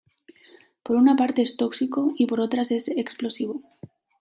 Por una parte es tóxico, y por otras es explosivo.